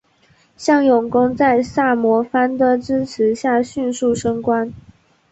向永功在萨摩藩的支持下迅速升官。